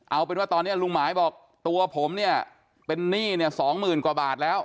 เอาเป็นว่าตอนนี้ลุงหมายบอกตัวผมเนี่ยเป็นหนี้เนี่ยสองหมื่นกว่าบาทแล้ว